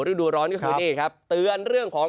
ฤดูร้อนก็คือนี่ครับเตือนเรื่องของ